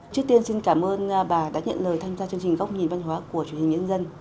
trước tiên xin cảm ơn bà đã nhận lời tham gia chương trình góc nhìn văn hóa của truyền hình nhân dân